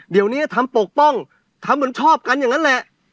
เดี๋ยวนี้ทำปกป้องทำเหมือนชอบกันอย่างนั้นแหละ